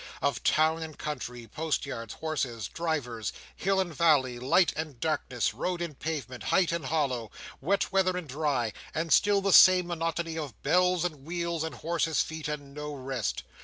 Of town and country, postyards, horses, drivers, hill and valley, light and darkness, road and pavement, height and hollow, wet weather and dry, and still the same monotony of bells and wheels, and horses' feet, and no rest.